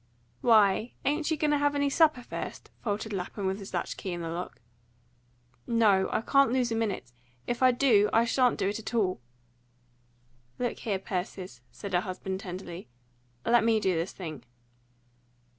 "Why, ain't you going to have any supper first?" faltered Lapham with his latch key in the lock. "No. I can't lose a minute. If I do, I shan't do it at all." "Look here, Persis," said her husband tenderly, "let me do this thing."